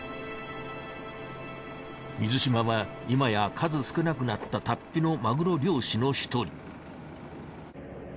水嶋は今や数少なくなった龍飛のマグロ漁師の一人。